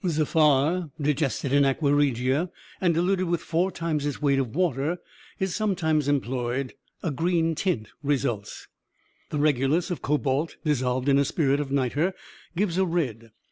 Zaffre, digested in aqua regia, and diluted with four times its weight of water, is sometimes employed; a green tint results. The regulus of cobalt, dissolved in spirit of nitre, gives a red.